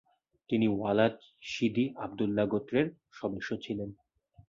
তিনি ওয়ালাদ সিদি আবদুল্লাহ গোত্রের সদস্য ছিলেন।